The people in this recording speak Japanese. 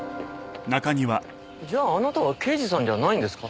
じゃああなたは刑事さんじゃないんですか？